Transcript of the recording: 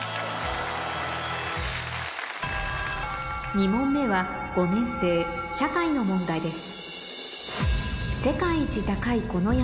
２問目は５年生社会の問題です